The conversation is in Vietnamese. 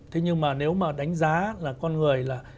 thế nhưng mà nếu mà đánh giá là con người là